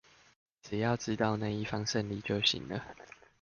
只要知道那一方勝利就行了